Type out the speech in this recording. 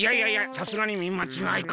さすがにみまちがいか？